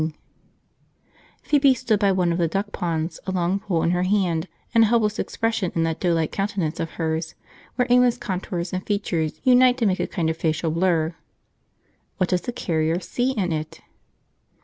jpg} Phoebe stood by one of the duck ponds, a long pole in her hand, and a helpless expression in that doughlike countenance of hers, where aimless contours and features unite to make a kind of facial blur. (What does the carrier see in it?)